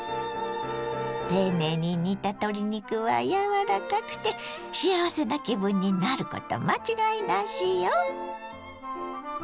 丁寧に煮た鶏肉は柔らかくて幸せな気分になること間違いなしよ！